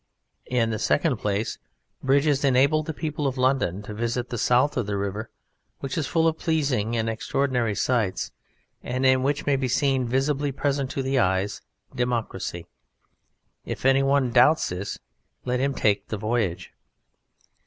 In the second place, bridges enable the people of London to visit the south of the river, which is full of pleasing and extraordinary sights, and in which may be seen, visibly present to the eye, Democracy. If any one doubts this let him take the voyage.